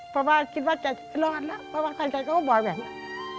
พ่อบ้านคิดว่าจัดรอดละพ่อบ้านคลัดใจเค้าบอกแบบนี้